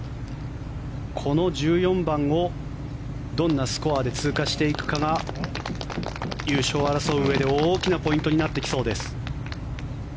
この１４番をどんなスコアで通過していくかが優勝を争ううえで大きなポイントになってきそうです。